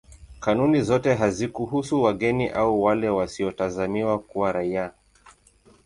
Kanuni zote hazikuhusu wageni au wale wasiotazamiwa kuwa raia.